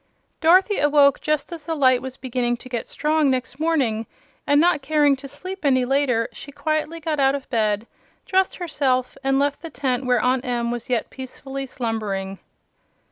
Dorothy awoke just as the light was beginning to get strong next morning, and not caring to sleep any later she quietly got out of bed, dressed herself, and left the tent where Aunt Em was yet peacefully slumbering.